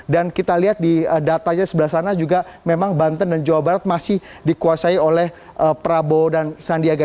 kita lihat di datanya sebelah sana juga memang banten dan jawa barat masih dikuasai oleh prabowo dan sandiaga